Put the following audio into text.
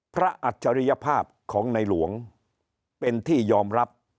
อัจฉริยภาพของในหลวงเป็นที่ยอมรับ